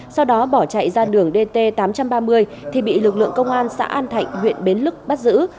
sau đó bỏ chạy ra đường dt tám trăm ba mươi thì bị lực lượng công an xã an thạnh huyện bến lức bắt giữ